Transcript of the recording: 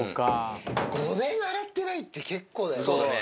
５年洗ってないって、結構だよね。